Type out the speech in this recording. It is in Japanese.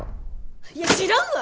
いや知らんわ！